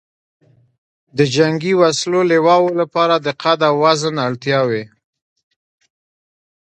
د جنګي وسلو لواو لپاره د قد او وزن اړتیاوې